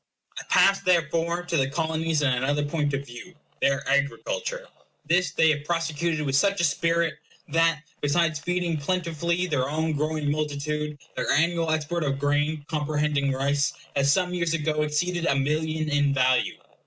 I pass, therefore, to the Colonies in another point of view, their agriculture. This they have prosecuted with such a spirit, that, besides feeding plentifully their own growing multitude, their annual export of grain, comprehending rice, has some years ago exceeded a million in value.